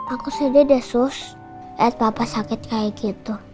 aku sedih deh sus liat papa sakit kayak gitu